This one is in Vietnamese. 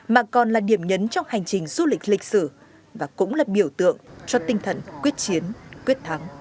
mà còn là điểm nhấn trong hành trình du lịch lịch sử và cũng là biểu tượng cho tinh thần quyết chiến quyết thắng